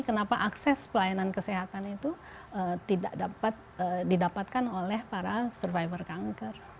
kenapa akses pelayanan kesehatan itu tidak didapatkan oleh para survivor kanker